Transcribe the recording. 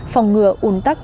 phòng ngừa ủn tắc